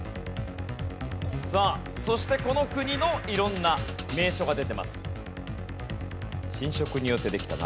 さあそしてこの国の色んな名所が出てます。